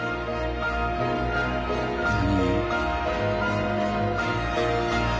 何？